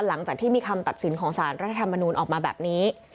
หลังจากที่มีคำตัดสินของสารรัฐธรรมนูลออกมาแบบนี้